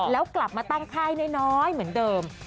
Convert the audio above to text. แล้วกลับมาตั้งค่ายน้อยเหมือนเดิม